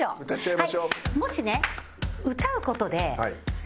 もしね歌う事で。